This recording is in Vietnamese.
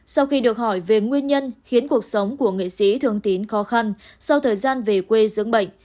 sau khi được hỏi về nguyên nhân khiến cuộc sống của nghệ sĩ thường tín khó khăn sau thời gian về quê dưỡng bệnh